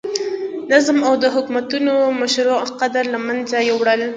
نظم او د حکومتونو مشروع قدرت له منځه یووړل.